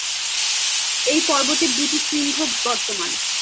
এই পর্বতের দুইটি শৃঙ্গ বর্তমান।